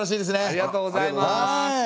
ありがとうございます！